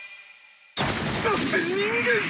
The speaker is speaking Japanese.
だって人間っ！